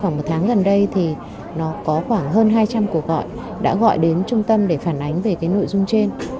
khoảng một tháng gần đây thì nó có khoảng hơn hai trăm linh cuộc gọi đã gọi đến trung tâm để phản ánh về cái nội dung trên